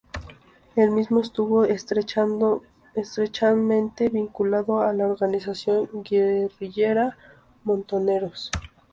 El mismo estuvo estrechamente vinculado a la organización guerrillera Montoneros.